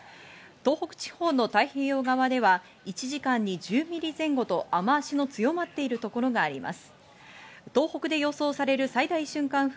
東北地方の太平洋側では１時間に１０ミリ前後と雨足の強まっているところがあります。